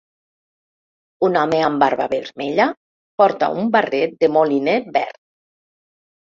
Un home amb barba vermella porta un barret de moliner verd.